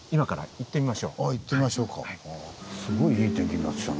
行ってみましょうか。